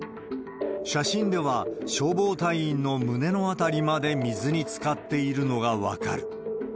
写真では、消防隊員の胸の辺りまで水につかっているのが分かる。